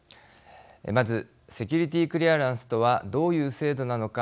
まずセキィリティークリアランスとはどういう制度なのか。